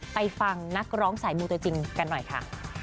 ไปฟังนักร้องสายมูตัวจริงกันหน่อยค่ะ